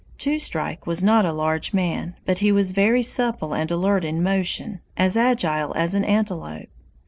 Two Strike was not a large man, but he was very supple and alert in motion, as agile as an antelope.